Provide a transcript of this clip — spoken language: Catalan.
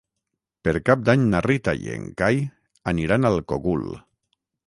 Per Cap d'Any na Rita i en Cai aniran al Cogul.